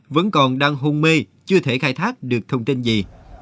vẫn còn đang hôn mê chưa thể khai thác được thông tin gì